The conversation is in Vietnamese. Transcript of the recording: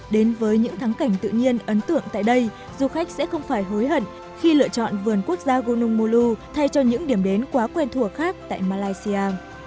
đến với những thắng cảnh tự nhiên ấn tượng tại đây du khách sẽ không phải hối hận khi lựa chọn vườn quốc gia gonum mou thay cho những điểm đến quá quen thuộc khác tại malaysia